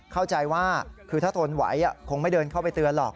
เข้าใจว่าคือถ้าทนไหวคงไม่เดินเข้าไปเตือนหรอก